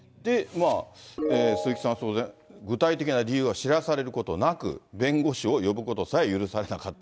鈴木さんは当然、具体的な理由は知らされることなく、弁護士を呼ぶことさえ許されなかった。